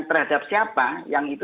terhadap siapa yang itu